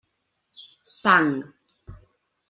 Sang.